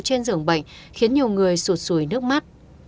chuyên dưỡng bệnh khiến nhiều người sụt sùi nước mắt